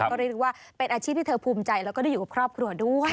ก็เรียกได้ว่าเป็นอาชีพที่เธอภูมิใจแล้วก็ได้อยู่กับครอบครัวด้วย